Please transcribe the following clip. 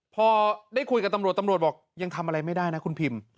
พอได้คุยกับตำรวจตำรวจบอกยังทำอะไรไม่ได้นะคุณพิม